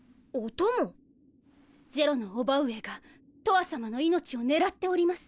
是露の伯母上がとわさまの命を狙っております。